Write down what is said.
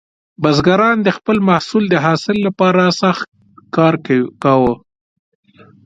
بزګران د خپل محصول د حاصل لپاره سخت کار کاوه.